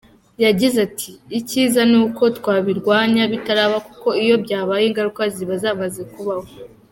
Yagize ati”Icyiza ni uko twabirwanya bitaraba kuko iyo byabaye ingaruka ziba zamaze kubaho.